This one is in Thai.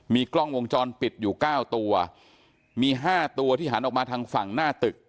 มีกล้องวงจรปิดอยู่เก้าตัวมีห้าตัวที่หันออกมาทางฝั่งหน้าตึก